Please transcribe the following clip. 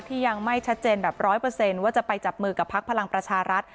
ยังไม่ชัดเจนแบบ๑๐๐ว่าจะไปจับมือกับพักพลังประชารัฐ